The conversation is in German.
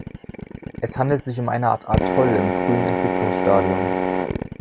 Es handelt sich um eine Art Atoll im frühen Entwicklungsstadium.